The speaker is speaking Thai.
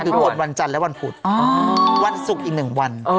คือผลวันจันทร์และวันพุธวันศุกร์อีก๑วัน